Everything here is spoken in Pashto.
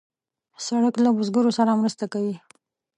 سړک له بزګرو سره مرسته کوي.